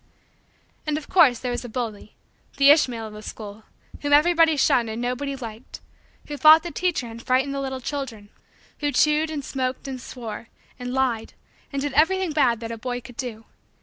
And of course there was a bully, the Ishmael of the school, whom everybody shunned and nobody liked; who fought the teacher and frightened the little children; who chewed, and smoked, and swore, and lied, and did everything bad that a boy could do.